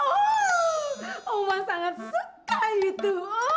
oh sangat suka itu